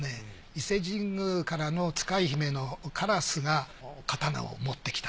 伊勢神宮からの使い姫のカラスが刀を持ってきた。